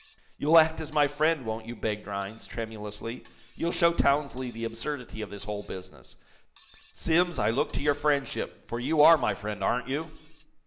"You'll act as my friend, won't you?" begged Rhinds, tremulously. "You'll show Townsley the absurdity of this whole business. Simms, I look to your friendship, for you are my friend, aren't you?"